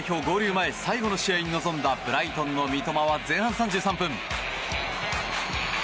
前最後の試合に臨んだブライトンの三笘は前半３３分。